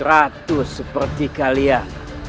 ratu seperti kalian